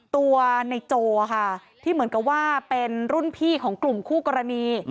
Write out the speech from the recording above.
ตัวในโจค่ะที่เหมือนกับว่าเป็นรุ่นพี่ของกลุ่มคู่กรณี